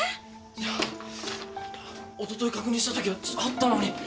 いやおととい確認したときはあったのに。